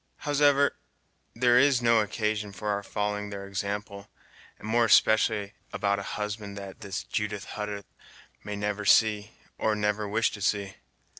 Howsoever, there is no occasion for our following their example, and more especially about a husband that this Judith Hutter may never see, or never wish to see.